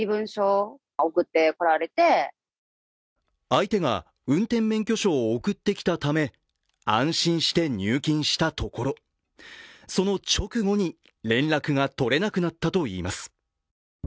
相手が運転免許証を送ってきたため安心して入金したところその直後に連絡が取れなくなったといいます。